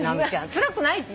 つらくないって。